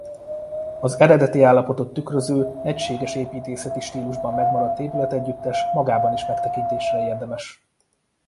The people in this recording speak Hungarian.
Az eredeti állapotot tükröző egységes építészeti stílusban megmaradt épületegyüttes magában is megtekintésre érdemes.